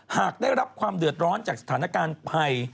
หากได้รับความเดือดร้อนจากสถานการณ์ภัย